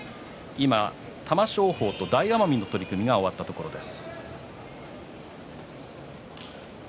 今、玉正鳳と大奄美の取組が終わったところです。